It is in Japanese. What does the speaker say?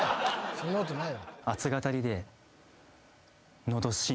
そんなことない。